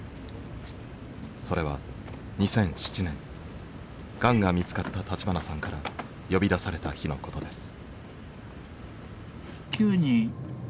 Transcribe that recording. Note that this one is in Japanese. それは２００７年がんが見つかった立花さんから呼び出された日のことです。